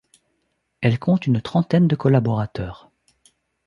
Elle compte une trentaine de collaborateurs.